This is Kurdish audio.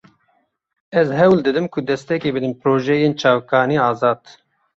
Ez hewl didim ku destekê bidim projeyên çavkanî-azad.